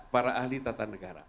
para ahli tata negara